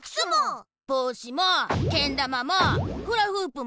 ぼうしもけんだまもフラフープも。